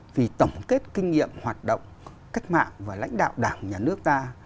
vì tổng kết kinh nghiệm hoạt động cách mạng và lãnh đạo đảng nhà nước ta